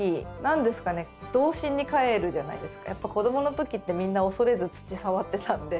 やっぱ子どものときってみんな恐れず土触ってたんで。